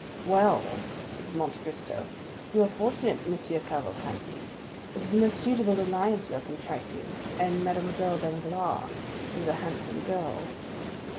"Well," said Monte Cristo, "you are fortunate, M. Cavalcanti; it is a most suitable alliance you are contracting, and Mademoiselle Danglars is a handsome girl."